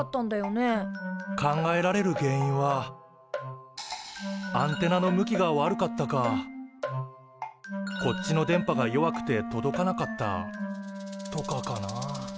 考えられる原因はアンテナの向きが悪かったかこっちの電波が弱くて届かなかったとかかな。